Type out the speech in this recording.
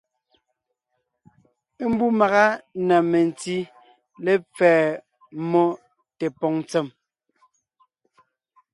Mbú màga na mentí lepfɛ́ mmó tépòŋ ntsèm,